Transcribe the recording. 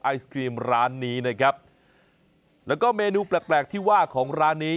ไอศครีมร้านนี้นะครับแล้วก็เมนูแปลกแปลกที่ว่าของร้านนี้